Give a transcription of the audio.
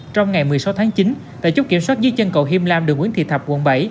trong ngày một mươi sáu tháng chín tại chốt kiểm soát dưới chân cầu hiêm lam đường nguyễn thị thập quận bảy